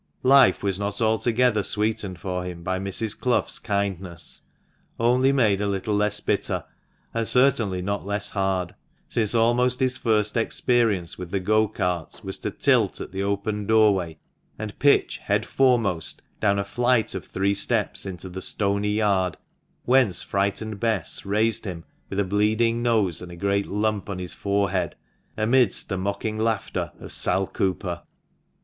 Life was not altogether sweetened for him by Mrs. Clough's kindness, only made a little less bitter, and certainly not less hard ; since almost his first experience with the go cart was to tilt at the open doorway, and pitch head foremost down a flight of three steps into the stony yard, whence frightened Bess raised him, with a bleeding nose and a great lump on his forehead, amidst the mocking laughter of Sal Cooper.